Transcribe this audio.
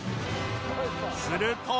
すると